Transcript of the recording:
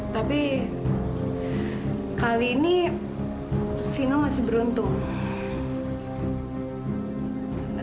tapi kali ini fina masih beruntung